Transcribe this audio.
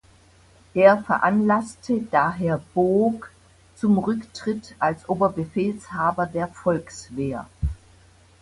Er veranlasste daher Boog zum Rücktritt als Oberbefehlshaber der Volkswehr.